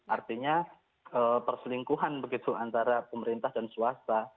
artinya perselingkuhan begitu antara pemerintah dan swasta